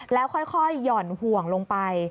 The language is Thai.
แล้วค่อยหย่อนห่วงลงไป